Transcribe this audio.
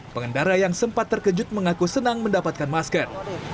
pengendara yang sempat terkejut mengaku senang mendapatkan masker